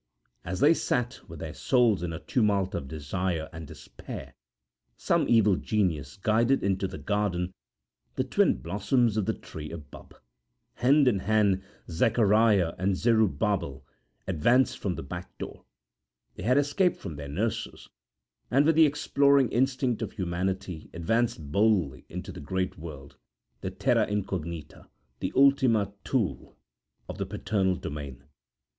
As they sat, with their souls in a tumult of desire and despair, some evil genius guided into the garden the twin blossoms of the tree of Bubb. Hand in hand Zacariah and Zerubbabel advanced from the back door; they had escaped from their nurses, and with the exploring instinct of humanity, advanced boldly into the great world the terra incognita, the ultima Thule of the paternal domain.